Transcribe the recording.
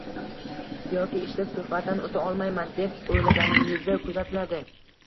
yoki ishda suhbatdan o‘ta olmayman, deb o‘ylaganingizda kuzatiladi.